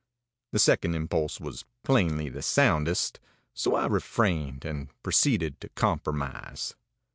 The second impulse was plainly the soundest, so I refrained, and proceeded to compromise.